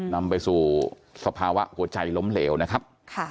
นำไปสู่สภาวะหัวใจล้มเหลวนะครับ